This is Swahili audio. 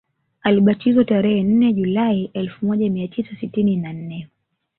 Alibatizwa tarehe nne julai elfu moja mia tisa sitini na nne